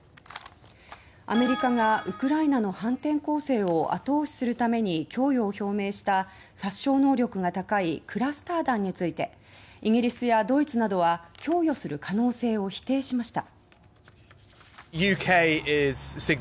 アメリカがウクライナの反転攻勢を後押しするために供与を表明した殺傷能力が高いクラスター弾についてイギリスやドイツなどは供与する可能性を否定しました。